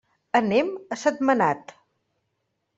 Anem a Sentmenat.